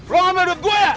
lu ngambil duit gua ya